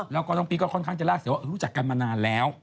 แล้วก็น้องปี๊ก็ค่อนข้างจะลากเสียว่ารู้จักกันมานานแล้ว